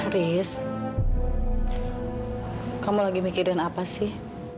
chris kamu lagi mikirin apa sih